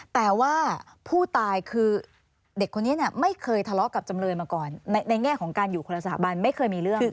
แต่ว่าผู้ตายคือเด็กคนนี้ไม่เคยทะเลาะกับจำเลยมาก่อนในแง่ของการอยู่คนละสถาบันไม่เคยมีเรื่อง